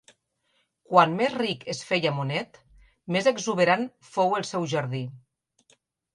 Quant més ric es feia Monet, més exuberant fou el seu jardí.